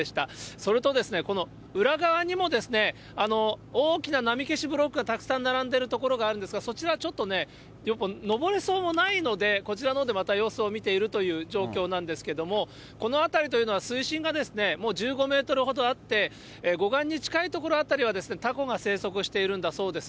それと、この裏側にも、大きな波消しブロックがたくさん並んでる所があるんですが、そちら、ちょっとね、登れそうもないので、こちらのほうでまた様子を見ているという状況なんですけれども、この辺りというのは水深がもう１５メートルほどあって、護岸に近い所辺りはタコが生息しているんだそうです。